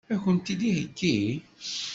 Ad k-tent-id-iheggi?